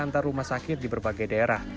antar rumah sakit di berbagai daerah